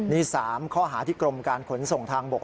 นี่๓ข้อหาที่กรมการขนส่งทางบก